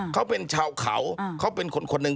เขาเป็นชาวเขาเขาเป็นคนหนึ่ง